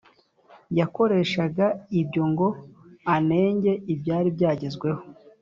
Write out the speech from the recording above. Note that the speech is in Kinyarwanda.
yakoreshaga ibyo ngo anenge ibyari byagezweho